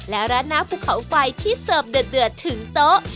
และราดหน้าภูเขาไฟที่เสิร์ฟเดือดถึงโต๊ะ